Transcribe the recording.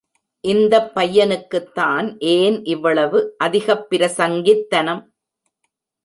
இந்தப் பையனுக்குத்தான் ஏன் இவ்வளவு அதிகப்பிரசங்கித்தனம்.